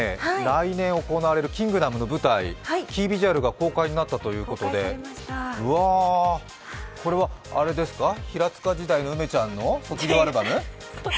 来年行われる「キングダム」の舞台、キービジュアルが公開されたということで、これは平塚時代の梅ちゃんの卒業アルバム？